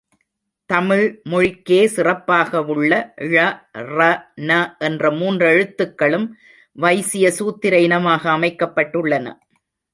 தமிழ் மொழிக்கே சிறப்பாகவுள்ள ழ, ற, ன என்ற மூன்றெழுத்துக்களும் வைசிய சூத்திர இனமாக அமைக்கப்பட்டுள்ளன.